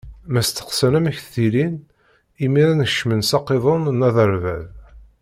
Mmesteqsan amek ttilin, imiren kecmen s aqiḍun n Aderbad.